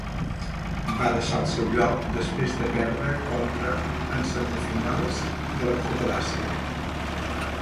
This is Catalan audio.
Va deixar el seu lloc després de perdre contra en semifinals de la Copa d'Àsia.